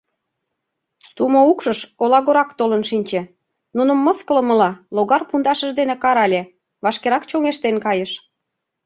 Тумо укшыш олагорак толын шинче, нуным мыскылымыла, логар пундашыж дене карале, вашкерак чоҥештен кайыш.